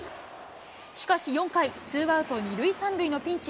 しかし４回、ツーアウト２塁３塁のピンチ。